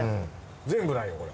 全部ないよこれ。